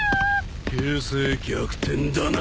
形勢逆転だな！